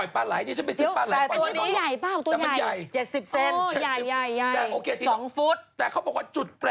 เพราะจากตุจักรไม่ขายเยอะ